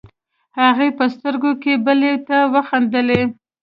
هغې په سترګو کې بلې ته وخندلې.